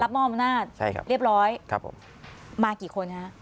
มอบอำนาจใช่ครับเรียบร้อยครับผมมากี่คนฮะ